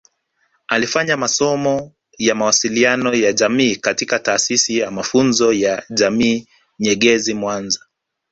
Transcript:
Alifanya masomo ya mawasiliano ya jamii katika Taasisi ya mafunzo ya jamii Nyegezi mwanza